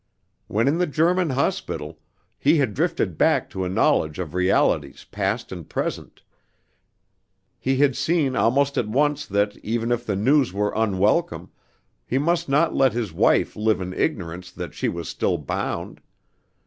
When in the German hospital he had drifted back to a knowledge of realities past and present, he had seen almost at once that, even if the news were unwelcome, he must not let his wife live in ignorance that she was still bound.